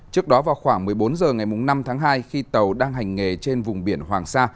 trước đó vào khoảng một mươi bốn h ngày năm tháng hai khi tàu đang hành nghề trên vùng biển hoàng sa